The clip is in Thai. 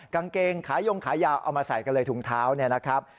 กางเกงขายงขายาวเอามาใส่กันเลยถุงเท้าเนี่ยนะครับ